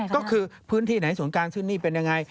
ก็คือพื้นที่ไหนศูนย์กลางซึ่งนี่เป็นยังไง